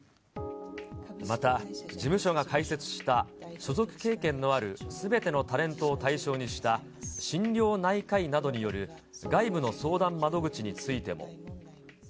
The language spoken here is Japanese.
また、事務所が開設した所属経験のあるすべてのタレントを対象にした、心療内科医などによる外部の相談窓口についても。